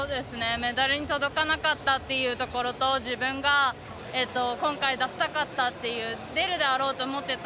メダルに届かなかったというところと自分が今回出したかったという出るであろうと思っていた